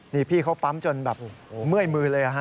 นี่พี่เขาปั๊มจนแบบเมื่อยมือเลยฮะ